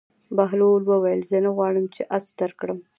بهلول وویل: زه نه غواړم چې اس درکړم.